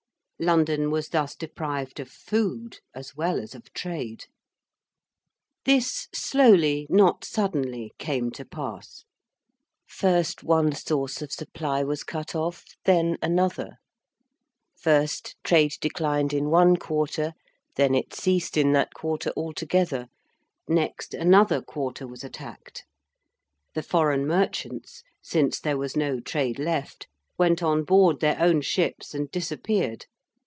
London was thus deprived of food as well as of trade. This slowly, not suddenly, came to pass. First, one source of supply was cut off, then another. First, trade declined in one quarter, then it ceased in that quarter altogether. Next, another quarter was attacked. The foreign merchants, since there was no trade left, went on board their own ships and disappeared.